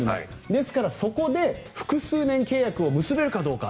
ですから、そこで複数年契約を結べるかどうか。